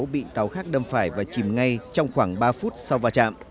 bị tàu khác đâm phải và chìm ngay trong khoảng ba phút sau vào trạm